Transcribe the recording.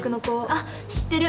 あっ知ってる！